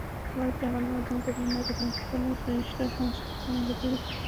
খবর পেয়ে গণমাধ্যমকর্মীরা ঘটনাস্থলে পৌঁছালে পুলিশসহ সংশ্লিষ্ট কর্মকর্তাদের তৎপরতা বেড়ে যায়।